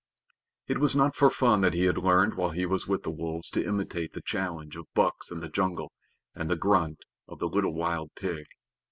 It was not for fun that he had learned while he was with the wolves to imitate the challenge of bucks in the jungle and the grunt of the little wild pig.